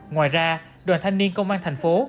ngoài ra đoàn thanh niên công an thành phố